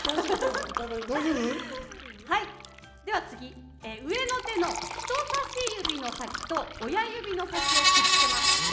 次、上の手の人さし指の先と親指の先をくっつけます。